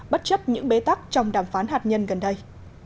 bất chấp những bế tắc trong đàm phán hạt nhân gần đây